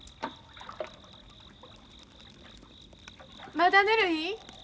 まだぬるい？